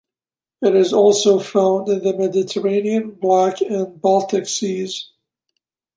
It is also found in the Mediterranean, Black, and Baltic Seas.